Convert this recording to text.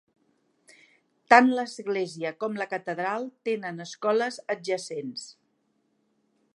Tant l'església com la catedral tenen escoles adjacents.